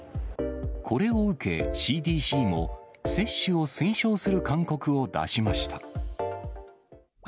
これを受け、ＣＤＣも接種を推奨する勧告を出しました。